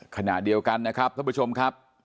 ขณะเดียวกันนะครับท่านผู้ชมครับ